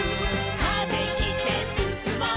「風切ってすすもう」